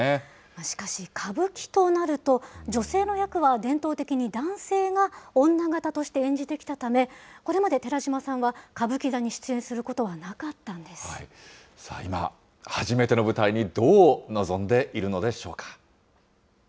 しかし、歌舞伎となると、女性の役は伝統的に男性が女形として演じてきたため、これまで寺島さんは歌舞伎座に出演することは今、初めての舞台にどう臨んでいるのでしょうか。